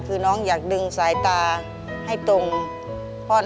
คือน้องอยากดึงสายตาให้ตรงพ่อน